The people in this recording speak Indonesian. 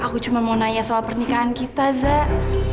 aku cuma mau nanya soal pernikahan kita zak